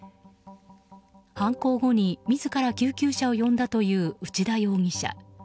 犯行後に、自ら救急車を呼んだという内田容疑者。